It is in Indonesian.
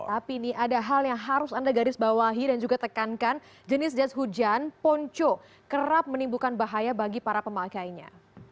tapi nih ada hal yang harus anda garis bawahi dan juga tekankan jenis jas hujan ponco kerap menimbulkan bahaya bagi para pemakainya